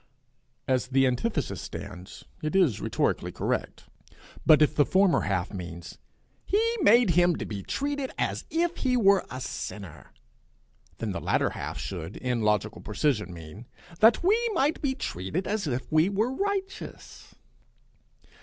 As the antithesis stands it is rhetorically correct. But if the former half means, 'he made him to be treated as if he were a sinner,' then the latter half should, in logical precision, mean, 'that we might be treated as if we were righteous.'